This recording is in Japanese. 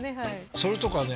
それとかね